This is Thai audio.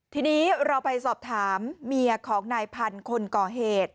ทีนี้เราไปสอบถามเมียของนายพันธุ์คนก่อเหตุ